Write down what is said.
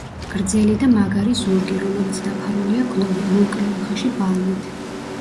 გრძელი და მაგარი ზურგი, რომელიც დაფარულია გლუვი, მოკლე, უხეში ბალნით.